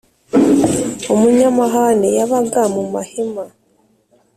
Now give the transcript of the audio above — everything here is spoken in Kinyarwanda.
Umunyamahane yabaga mu mahema